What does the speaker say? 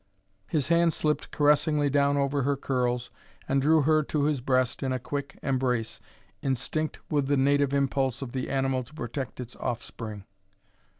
His hand slipped caressingly down over her curls and drew her to his breast in a quick embrace, instinct with the native impulse of the animal to protect its offspring.